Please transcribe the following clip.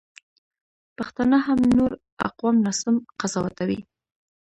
پښتانه هم نور اقوام ناسم قضاوتوي.